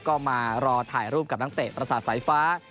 ก็มารอถ่ายรูปกับนักเตะประสาทสายฟ้า